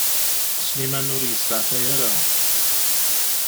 Sliman ur yesteɛfay ara.